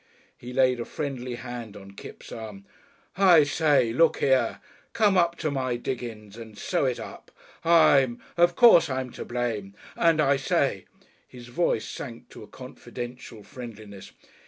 He laid a friendly hand on Kipps' arm. "I say look here! Come up to my diggings and sew it up. I'm . Of course I'm to blame, and I say " his voice sank to a confidential friendliness.